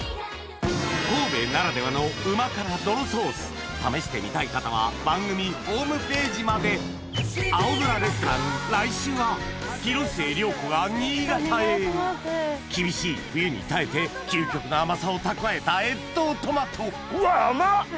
神戸ならではの旨辛どろソース試してみたい方は番組ホームページまで広末涼子が新潟へ厳しい冬に耐えて究極の甘さを蓄えた越冬トマトうわ甘っ！